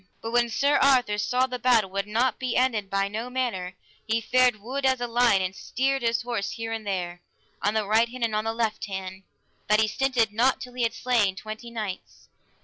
But when Sir Arthur saw the battle would not be ended by no manner, he fared wood as a lion, and steered his horse here and there, on the right hand, and on the left hand, that he stinted not till he had slain twenty knights.